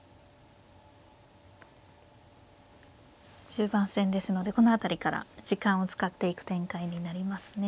中盤戦ですのでこの辺りから時間を使っていく展開になりますね。